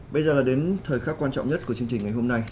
bây giờ là đến thời khắc quan trọng nhất của chương trình ngày hôm nay